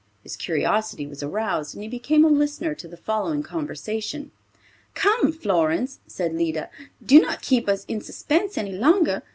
His curiosity was aroused and he became a listener to the following conversation: "Come, Florence," said Lida, "do not keep us in suspense any longer.